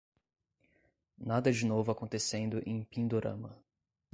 Nada de novo acontecendo em Pindorama